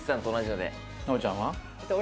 奈央ちゃんは？